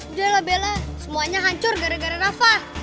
udah lah bella semuanya hancur gara gara rafa